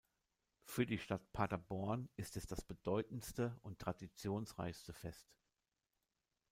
Für die Stadt Paderborn ist es das bedeutendste und traditionsreichste Fest.